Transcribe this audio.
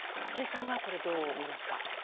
辻さんは、これどう見ますか？